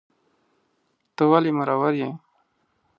ته ولي مرور یې